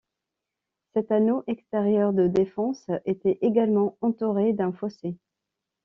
Cet anneau extérieur de défenses était également entouré d'un fossé.